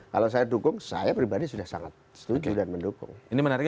kalau saya dukung saya pribadi sudah sangat setuju dan mendukung